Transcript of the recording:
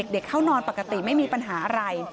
เข้านอนปกติไม่มีปัญหาอะไร